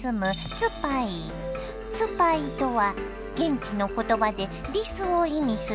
ツパイとは現地の言葉でリスを意味するんだ。